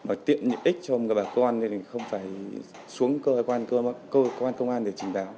nó tiện nhịp ích cho bà con nên không phải xuống cơ quan công an để trình báo